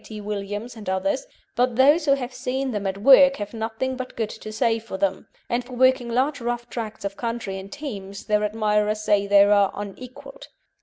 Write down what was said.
T. Williams and others, but those who have seen them at work have nothing but good to say of them, and for working large rough tracts of country in teams their admirers say they are unequalled.